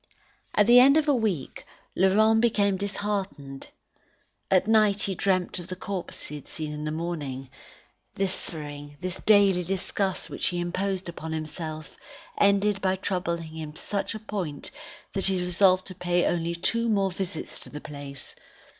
At the end of a week, Laurent became disheartened. At night he dreamt of the corpses he had seen in the morning. This suffering, this daily disgust which he imposed on himself, ended by troubling him to such a point, that he resolved to pay only two more visits to the place.